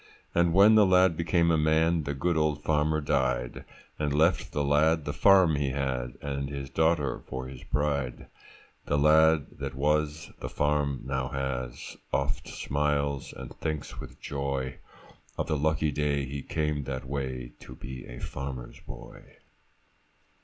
And when the lad became a man, The good old farmer died, And left the lad the farm he had, And his daughter for his bride. The lad that was, the farm now has, Oft smiles, and thinks with joy Of the lucky day he came that way, To be a farmer's boy.